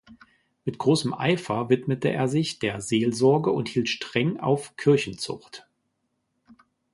Mit großem Eifer widmete er sich der Seelsorge und hielt streng auf Kirchenzucht.